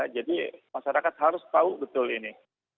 jadi masyarakat harus tahu betul ini